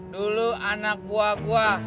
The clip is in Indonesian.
dulu anak gua gua